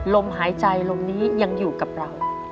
ลมหายใจลมนี้ยังอยู่กับเรา